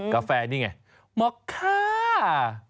กาแฟนี้ไงน์มอกค่า